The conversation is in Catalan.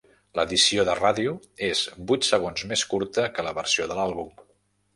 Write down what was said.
L'edició de ràdio és vuit segons més curta que la versió de l'àlbum.